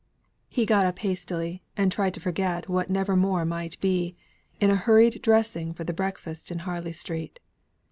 He got up hastily, and tried to forget what never more might be, in a hurried dressing for the breakfast in Harley Street.